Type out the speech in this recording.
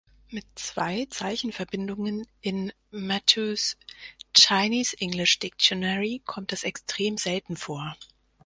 Mit zwei Zeichenverbindungen in Mathews’ Chinese-English Dictionary kommt es extrem selten vor.